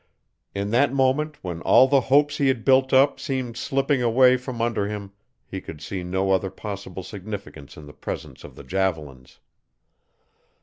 In that moment when all the hopes he had built up seemed slipping away from under him he could see no other possible significance in the presence of the javelins.